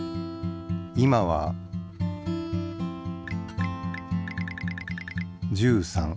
今は１３。